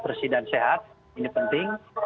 bersih dan sehat ini penting